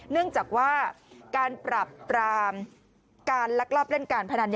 เนื่องจากว่าการปรับปรามการลักลอบเล่นการพนัน